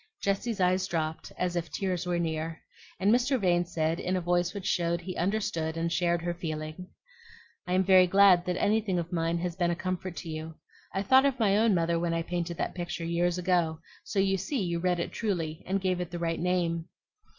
Jessie's eyes dropped, as if tears were near; and Mr. Vane said, in a voice which showed he understood and shared her feeling, "I am very glad that anything of mine has been a comfort to you. I thought of my own mother when I painted that picture years ago; so you see you read it truly, and gave it the right name.